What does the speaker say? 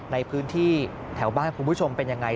ในพื้นที่แถวบ้านคุณผู้ชมเป็นยังไง